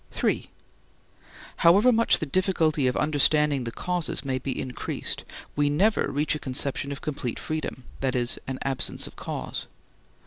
(3) However much the difficulty of understanding the causes may be increased, we never reach a conception of complete freedom, that is, an absence of cause.